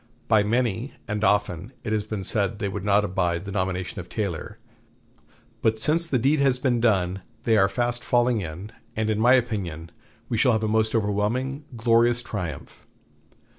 By many, and often, it had been said they would not abide the nomination of Taylor; but since the deed has been done, they are fast falling in, and in my opinion we shall have a most overwhelming, glorious triumph.